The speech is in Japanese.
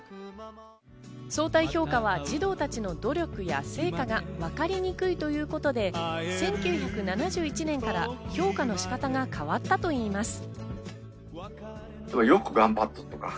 相対評価は児童たちの努力や成果がわかりにくいということで、１９７１年から評価の仕方が変わったといいます。